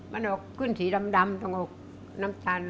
มันออกขึ้นสีดำต้องเอากลุกน้ำตาล